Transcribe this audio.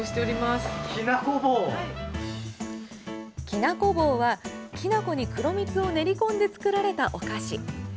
きなこ棒はきな粉に黒蜜を練り込んで作られたお菓子。